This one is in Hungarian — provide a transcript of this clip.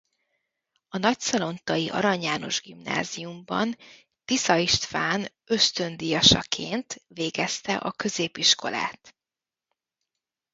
A nagyszalontai Arany János Gimnáziumban Tisza István ösztöndíjasaként végezte a középiskolát.